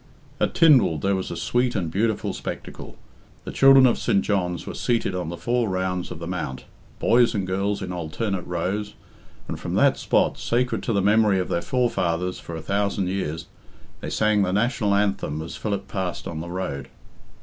At Tynwald there was a sweet and beautiful spectacle. The children of St. John's were seated on the four rounds of the mount, boys and girls in alternate rows, and from that spot, sacred to the memory of their forefathers for a thousand years, they sang the National Anthem as Philip passed on the road.